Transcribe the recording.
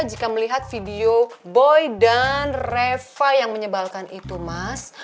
jika melihat video boy dan reva yang menyebalkan itu mas